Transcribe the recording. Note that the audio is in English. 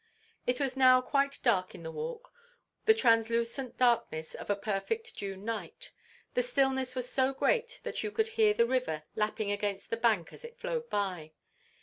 It was now quite dark in the Walk: the translucent darkness of a perfect June night. The stillness was so great that you could hear the river lapping against the bank as it flowed by.